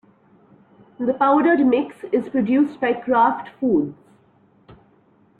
The powdered mix is produced by Kraft Foods.